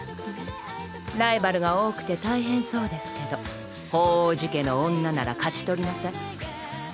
ライバルが多くて大変そうですけど鳳凰寺家の女なら勝ち取りなさい。